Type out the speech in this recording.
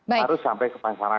harus sampai ke masyarakat